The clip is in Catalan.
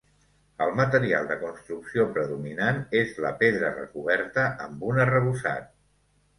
El material de construcció predominant és la pedra recoberta amb un arrebossat.